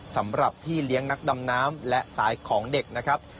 สำหรับพี่เลี้ยงนักดำน้ำและสายของเด็กนะครับ